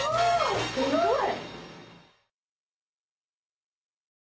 すごい！